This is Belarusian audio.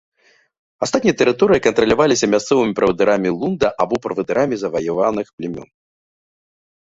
Астатнія тэрыторыі кантраляваліся мясцовымі правадырамі лунда або правадырамі заваяваных плямён.